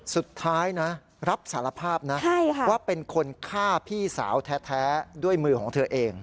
สุดท้ายนะรับสารภาพนะว่าเป็นคนฆ่าพี่สาวแท้ด้วยมือของเธอเอง